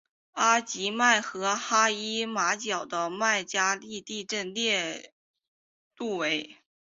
阿吉曼和哈伊马角的麦加利地震烈度为。